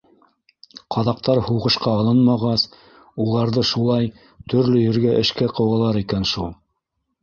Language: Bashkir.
Ҡаҙаҡтар һуғышҡа алынмағас, уларҙы шулай төрлө ергә эшкә ҡыуалар икән шул.